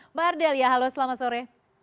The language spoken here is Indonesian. mbak ardelia halo selamat sore